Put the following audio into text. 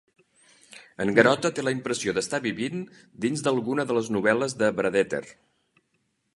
En Garota té la impressió d'estar vivint dins d'alguna de les novel·les de Bradeter.